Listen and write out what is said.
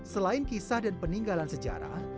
selain kisah dan peninggalan sejarah